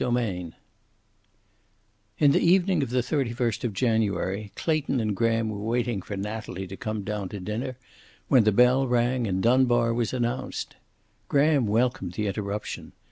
CHAPTER XXII In the evening of the thirty first of January Clayton and Graham were waiting for Natalie to come down to dinner when the bell rang, and Dunbar was announced. Graham welcomed the interruption.